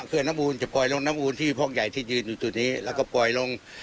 ื่อน้ำมูลจะปล่อยลงน้ำอูนที่พวกใหญ่ที่ยืนอยู่จุดนี้แล้วก็ปล่อยลง